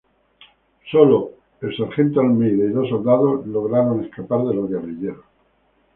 Solo el sargento Almeida y dos soldados lograron escapar de los guerrilleros.